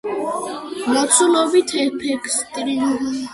მოცულობითი ეფექტისათვის გამოყენებულია გამოქვაბულის რელიეფური კედლებიც.